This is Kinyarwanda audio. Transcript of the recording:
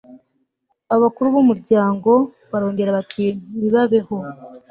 abakuru b'umuryango barongera bati nibabeho